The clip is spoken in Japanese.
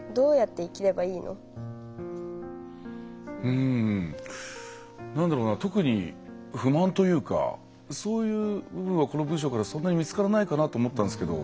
うんなんだろうな特に不満というかそういう部分はこの文章からそんなに見つからないかなと思ったんですけど